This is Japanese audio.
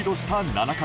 ７回。